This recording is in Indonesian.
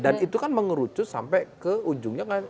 dan itu kan mengerucut sampai ke ujungnya